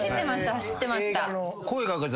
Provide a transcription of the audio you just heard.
走ってました。